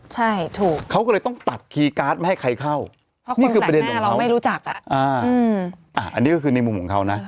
ใช่ถูกเขาก็เลยต้องตัดคีย์การ์ดไม่ให้ใครเข้านี่คือประเด็นตรงเราไม่รู้จักอันนี้ก็คือในมุมของเขานะ